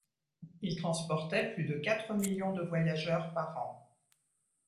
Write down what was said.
Il transportait plus de quatre millions de voyageurs par an.